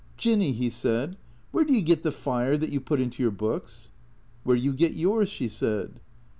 " Jinny," he said, " where do you get the lire that you put into your books ?"" Where you get yours," she said.